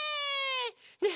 ねえ！